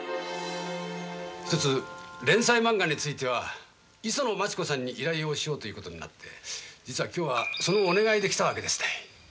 ひとつ連載漫画については磯野マチ子さんに依頼をしようということになって実は今日はそのお願いで来たわけですたい。